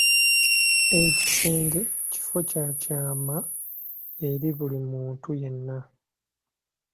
Ekisenge kifo kya kyama eri buli muntu yenna.